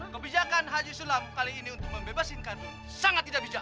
kebijakan haji sulam kali ini untuk membebasin cardun sangat tidak bijak